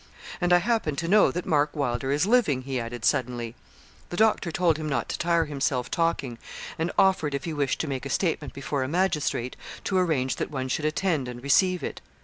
And I happen to know that Mark Wylder is living,' he added, suddenly. The doctor told him not to tire himself talking, and offered, if he wished to make a statement before a magistrate, to arrange that one should attend and receive it.